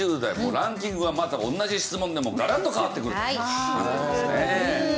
ランキングがまた同じ質問でもガラッと変わってくるという事ですね。